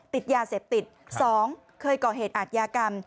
ติดยาเสพติด๒เคยก่อเหตุอาทยากรรม